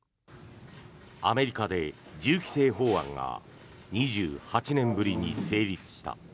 アメリカで銃規制法案が２８年ぶりに成立した。